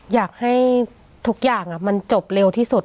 อยากให้ทุกอย่างมันจบเร็วที่สุด